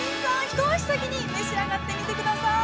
一足先に召し上がってみてください！